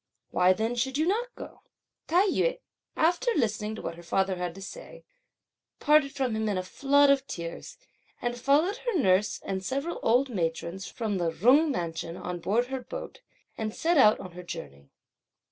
Why then should you not go?" Tai yü, after listening to what her father had to say, parted from him in a flood of tears and followed her nurse and several old matrons from the Jung mansion on board her boat, and set out on her journey.